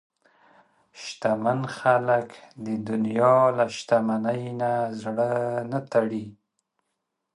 شتمن خلک د دنیا له شتمنۍ نه زړه نه تړي.